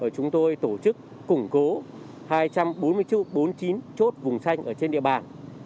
chúng tôi tổ chức củng cố hai trăm bốn mươi chín chốt vùng xanh trên địa bàn